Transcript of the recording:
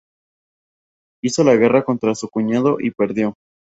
Hizo la guerra contra su cuñado y perdió.